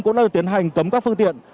cũng đã được tiến hành cấm các phương tiện